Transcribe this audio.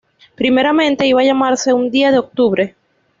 Primeramente iba a llamarse "Un día de octubre".